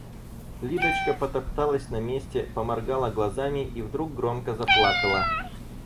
Лидочка потопталась на месте, поморгала глазами и вдруг громко заплакала.